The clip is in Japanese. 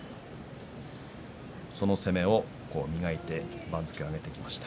その攻めを磨いて番付を上げてきました。